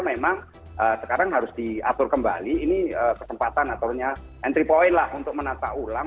memang sekarang harus diatur kembali ini kesempatan aturnya entry point lah untuk menata ulang